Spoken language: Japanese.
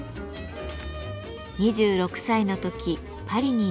２６歳の時パリに留学。